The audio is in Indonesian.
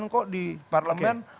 kok di parlemen